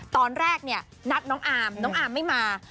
ตอนแรกเนี่ยนัดน้องอาร์มน้องอาร์มไม่มา